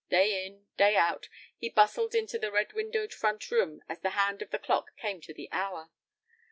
Day in, day out, he bustled into the red windowed front room as the hand of the clock came to the hour.